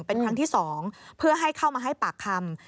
เป็นครั้งที่๒เพื่อให้เข้ามาให้ปากคำ